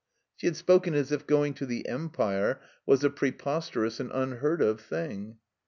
She had spoken as if going to the Empire was a preix)sterous and unheard of thing.